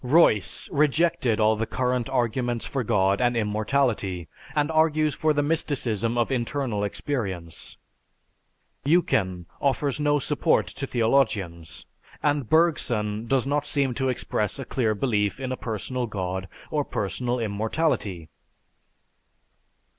Royce rejected all the current arguments for God and immortality and argues for the mysticism of internal experience. Eucken offers no support to theologians; and Bergson does not seem to express a clear belief in a personal god or personal immortality.